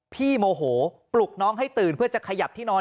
โมโหปลุกน้องให้ตื่นเพื่อจะขยับที่นอน